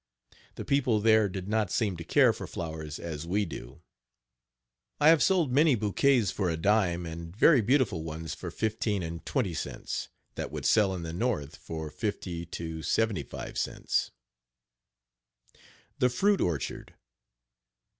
The people there did not seem to care for flowers as we do. I have sold many bouquets for a dime, and very beautiful ones for fifteen and twenty cents, that would sell in the north for fifty to seventy five cents. Page 67 THE FRUIT ORCHARD.